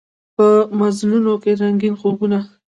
په مزلونوکې رنګین خوبونه